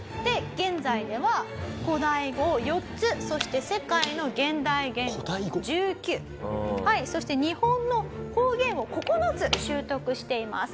現在では古代語を４つそして世界の現代言語を１９そして日本の方言を９つ習得しています。